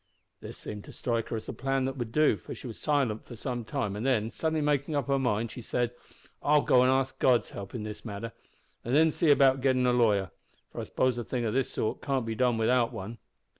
"This seemed to strike her as a plan that would do, for she was silent for some time, and then, suddenly makin' up her mind, she said, `I'll go and ask God's help in this matter, an' then see about gettin' a lawyer for I suppose a thing o' this sort can't be done without one.'